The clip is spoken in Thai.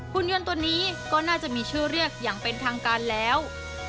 คุณยนต์ตัวนี้ก็น่าจะมีชื่อเรียกอย่างเป็นทางการแล้ว